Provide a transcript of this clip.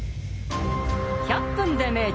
「１００分ｄｅ名著」